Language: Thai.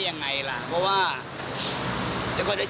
เพราะว่ากฏก็คือกฏพิษกฏก็คือกฏระเบียบ